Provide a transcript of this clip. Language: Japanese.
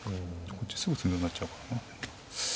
こっちすぐ詰めろになっちゃうからな。